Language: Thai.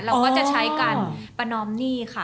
เราก็จะใช้การประนอมหนี้ค่ะ